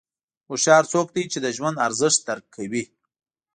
هوښیار څوک دی چې د ژوند ارزښت درک کوي.